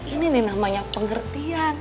ini nih namanya pengertian